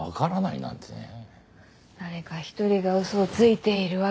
誰か一人が嘘をついているわけだ。